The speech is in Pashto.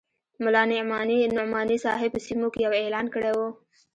ملا نعماني صاحب په سیمو کې یو اعلان کړی وو.